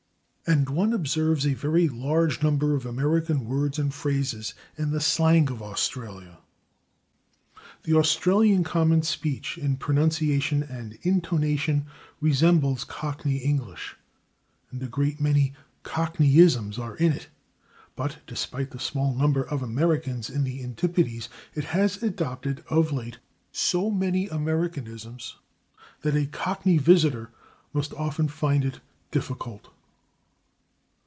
And one observes a very large number of American words and phrases in the slang of Australia. The Australian common speech, in pronunciation and intonation, resembles Cockney English, and a great many Cockneyisms are in it, but despite the small number of Americans in the Antipodes [Pg319] it has adopted, of late, so many Americanisms that a Cockney visitor must often find it difficult.